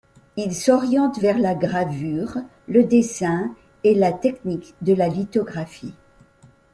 Il s'oriente vers la gravure, le dessin et la technique de la lithographie.